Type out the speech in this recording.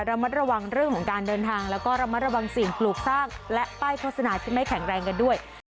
ระมัดระวังเรื่องของการเดินทางแล้วก็ระมัดระวังสิ่งปลูกสร้างและป้ายโฆษณาที่ไม่แข็งแรงกันด้วย